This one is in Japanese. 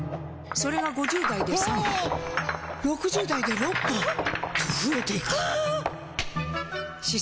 それが５０代で３本６０代で６本と増えていく歯槽